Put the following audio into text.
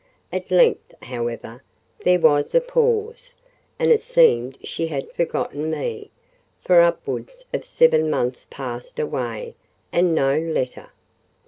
At length, however, there was a pause; and it seemed she had forgotten me, for upwards of seven months passed away and no letter.